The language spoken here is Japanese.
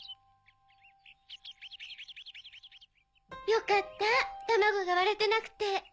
よかった卵が割れてなくて。